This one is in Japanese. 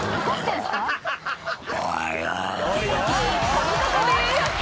この方です。